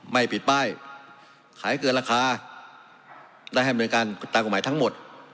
ไม่ปิดป้ายขายเกินราคาและให้บริการตามกฎหมายทั้งหมด